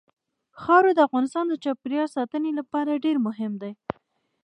خاوره د افغانستان د چاپیریال ساتنې لپاره ډېر مهم دي.